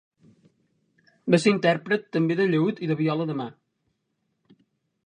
Va ser intèrpret també de llaüt i de viola de mà.